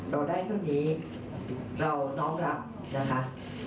เราได้พรุ่งนี้เราน้อมรับนะคะ